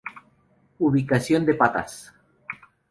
Ubicación de Pataz